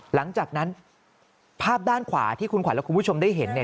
หลังจากนั้นภาพด้านขวาที่คุณขวัญและคุณผู้ชมได้เห็นเนี่ย